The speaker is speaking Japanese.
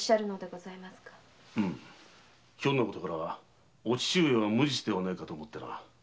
ひょんなことからお父上は無実ではないかと思ってな。